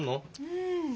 うん。